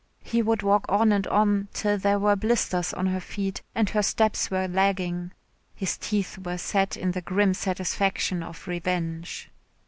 He would walk on and on till there were blisters on her feet and her steps were lagging. His teeth were set in the grim satisfaction of revenge.